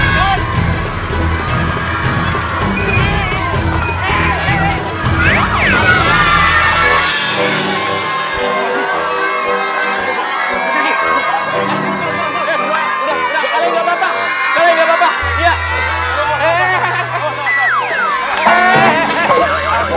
ya semua udah kalian gak apa apa